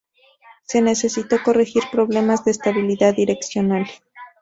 Se necesitó corregir problemas de estabilidad direccional.